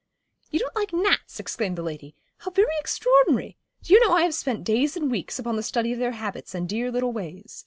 'You don't like gnats!' exclaimed the lady; 'how very extraordinary. Do you know I have spent days and weeks upon the study of their habits and dear little ways.